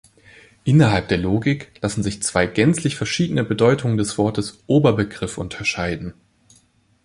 Innerhalb der Logik lassen sich zwei gänzlich verschiedene Bedeutungen des Wortes „Oberbegriff“ unterscheiden.